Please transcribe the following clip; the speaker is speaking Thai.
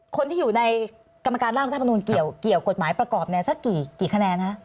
คนที่อยู่ในกรรมการร่างรัฐมนุนเกี่ยวกฎหมายประกอบเนี่ยสักกี่คะแนนฮะ